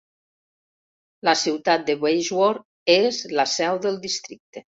La ciutat de Bageshwar és la seu del districte.